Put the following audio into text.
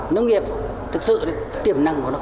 nông nghiệp thực sự tiềm năng của nó